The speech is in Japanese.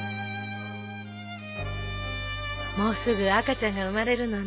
もうすぐ赤ちゃんが生まれるのね。